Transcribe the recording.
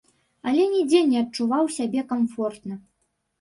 Але нідзе не адчуваў сябе камфортна.